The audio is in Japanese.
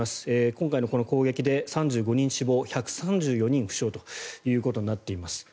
今回のこの攻撃で３５人死亡１３４人負傷となっています。